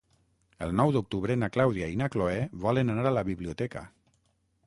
El nou d'octubre na Clàudia i na Cloè volen anar a la biblioteca.